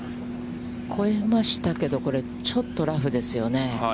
越えましたけれども、これ、ちょっとラフですよね。